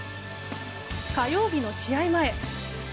火曜日の試合前。